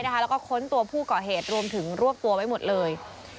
แล้วก็ค้นตัวผู้ก่อเหตุรวมถึงรวบตัวไว้หมดเลย